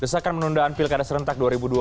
desakan penundaan pilkada serentak dua ribu dua puluh